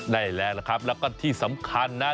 ได้แล้วล่ะครับแล้วก็ที่สำคัญนะ